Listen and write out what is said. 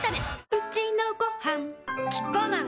うちのごはんキッコーマン